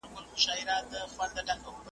هغه سازمانونه چي نوي جوړ سوي، ډېر لوی دي.